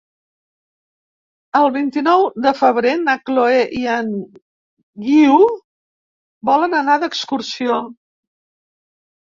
El vint-i-nou de febrer na Chloé i en Guiu volen anar d'excursió.